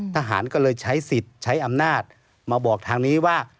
ทหารก็เลยใช้สิทธิ์ใช้อำนาจมาบอกทางนี้ว่า